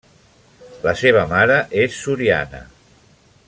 La seva mare és soriana.